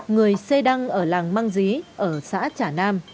người say đăng ở làng mang dí ở xã trà nam